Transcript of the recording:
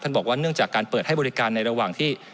บอกว่าเนื่องจากการเปิดให้บริการในระหว่างที่